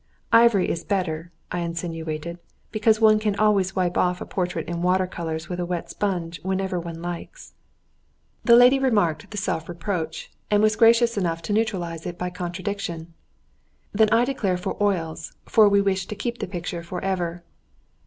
"Ivory is better," I insinuated, "because one can always wipe off a portrait in water colours with a wet sponge whenever one likes." The lady remarked the self reproach, and was gracious enough to neutralize it by a contradiction. "Then I declare for oils, for we wish to keep the picture for ever."